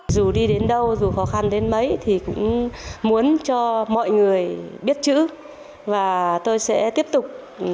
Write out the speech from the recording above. dù đi đến đâu dù khó khăn đến mấy thì cũng muốn cho mọi người biết chữ và tôi sẽ tiếp tục